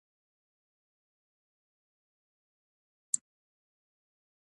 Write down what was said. سپاره سرتیري خورېدل.